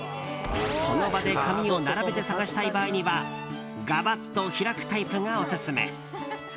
その場で紙を並べて探したい場合にはガバッと開くタイプがオススメ。